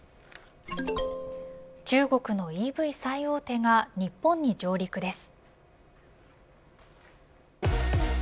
中国のＥＶ最大手が日本に上陸です。